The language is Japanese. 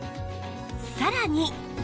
さらに